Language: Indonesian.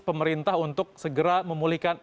pemerintah untuk segera memulihkan